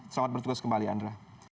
selamat bertugas kembali andra